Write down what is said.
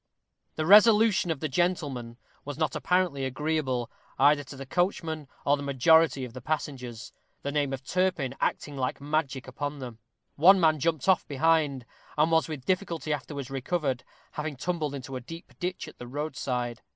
This resolution of the gentleman was not apparently agreeable, either to the coachman or the majority of the passengers the name of Turpin acting like magic upon them. One man jumped off behind, and was with difficulty afterwards recovered, having tumbled into a deep ditch at the roadside.